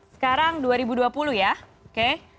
sekarang dua ribu dua puluh ya oke